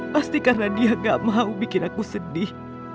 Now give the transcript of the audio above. pasti karena dia gak mau bikin aku sedih